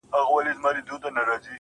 نه کېږي په ځمکه د کتاب د تورو ژوند